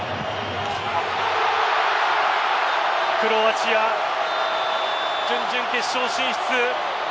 クロアチア、準々決勝進出。